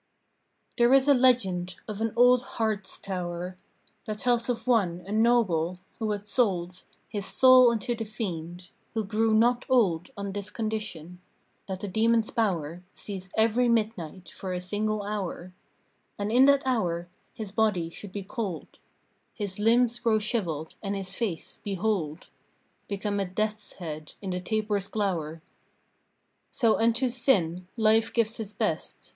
There is a legend of an old Hartz tower That tells of one, a noble, who had sold His soul unto the Fiend; who grew not old On this condition: That the demon's power Cease every midnight for a single hour, And in that hour his body should be cold, His limbs grow shriveled, and his face, behold! Become a death's head in the taper's glower. So unto Sin Life gives his best.